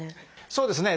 そうですね。